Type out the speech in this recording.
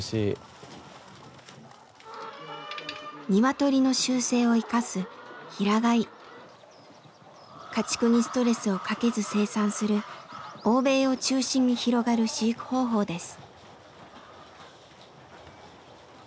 鶏の習性を生かす家畜にストレスをかけず生産する欧米を中心に広がる飼育方法です。